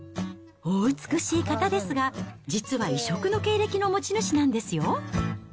お美しい方ですが、実は異色の経歴の持ち主なんですよ。